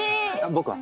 僕は？